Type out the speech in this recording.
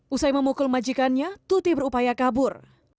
usai memukul majikannya tuti berupaya kabur